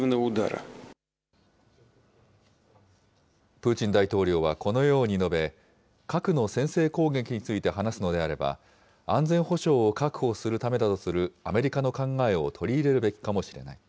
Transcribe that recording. プーチン大統領はこのように述べ、核の先制攻撃について話すのであれば、安全保障を確保するためだとするアメリカの考えを取り入れるべきかもしれない。